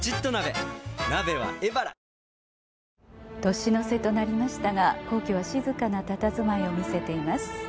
年の瀬となりましたが皇居は静かなたたずまいを見せています。